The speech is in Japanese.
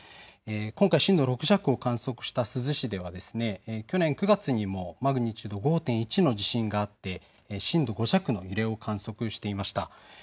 今回、震度６弱を観測した珠洲市では去年９月にもマグニチュード５．１の地震があって震度５弱の揺れを観測していました。